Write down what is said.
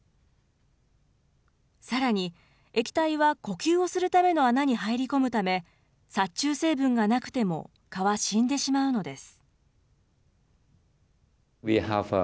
さらに、液体は呼吸をするための穴に入り込むため、殺虫成分がなくても、蚊は死んでしまうのです。